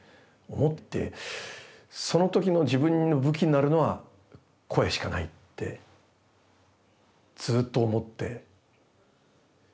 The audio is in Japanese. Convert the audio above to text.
それでその時の自分の武器になるのは声しかないってずっと思って。